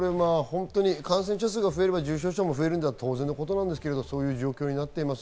感染者数が増えれば、重症者数も増えるのは当然で、こういう状況になっています。